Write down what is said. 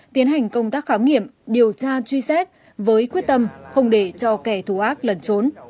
tiến hành công tác khám nghiệm điều tra truy xét với quyết tâm không để cho kẻ thù ác lẩn trốn